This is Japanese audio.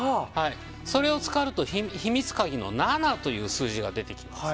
それを使うと秘密鍵の７という数字が出てきます。